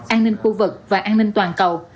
an ninh khu vực và an ninh toàn cầu